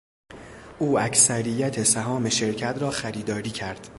او اکثریت سهام شرکت را خریداری کرد.